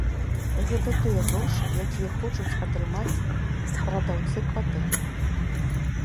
Гэта тыя грошы, якія хочуць атрымаць прадаўцы кватэры.